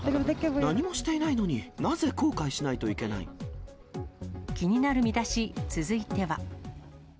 何もしていないのに、気になるミダシ、続いては。